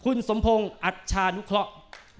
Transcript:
คุณสมพงศ์อัชชานุเคราะห์